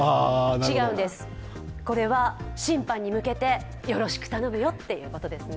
違うんです、これは審判に向けてよろしく頼むよということですね。